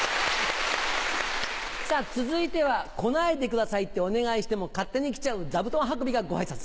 続いては来ないでくださいってお願いしても勝手に来ちゃう座布団運びがご挨拶。